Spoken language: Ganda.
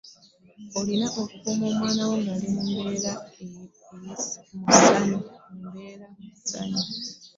Olina okukuuma omwana wo ngali mu mbeera emuwa esanyu.